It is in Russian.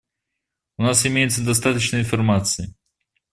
У нас имеется достаточно информации.